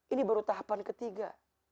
ini baru tahapan ketiga